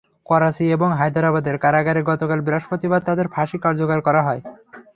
করাচি এবং হায়দ্রাবাদের কারাগারে গতকাল বৃহস্পতিবার তাদের ফাঁসি কার্যকর করা হয়।